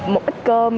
một ít cơm